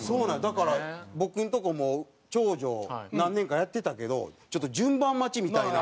だから僕のとこも長女何年かやってたけどちょっと順番待ちみたいな。